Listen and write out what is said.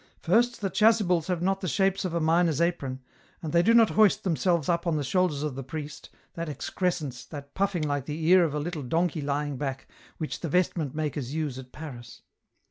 First, the chasubles have not the shapes of a miner's apron, and they do not hoist themselves up on the shoulders of the priest, that excrescence, that puffing like the ear of a little donkey lying back, which the vestment makers use at Paris.